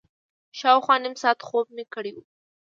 شاوخوا نیم ساعت خوب مې کړی و.